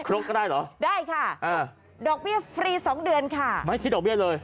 รกก็ได้เหรอได้ค่ะดอกเบี้ยฟรีสองเดือนค่ะไม่คิดดอกเบี้ยเลย